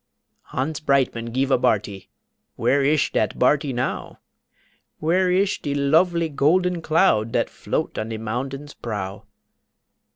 Hans Breitmann gife a barty Where ish dat barty now! Where ish de lofely golden cloud Dat float on de moundain's prow?